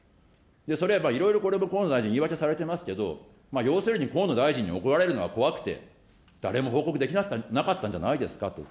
それはやっぱりいろいろ河野大臣、言い訳されてますけど、要するに河野大臣に怒られるのが怖くて、誰も報告できなかったんじゃないですかと。